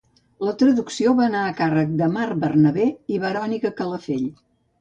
La traducció va anar a càrrec de Marc Bernabé i Verònica Calafell.